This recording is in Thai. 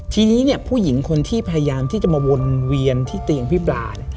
ทีนี้เนี่ยผู้หญิงคนที่พยายามที่จะมาวนเวียนที่เตียงพี่ปลา